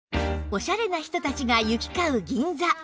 おしゃれな人たちが行き交う銀座